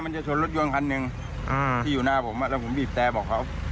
มันหลุดได้ไงไม่รู้อีก